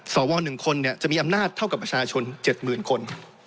สว๑คนจะมีอำนาจเท่ากับประชาชน๗๐๐คน